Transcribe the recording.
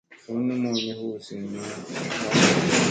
Bunni mulmi hu zimi wanna.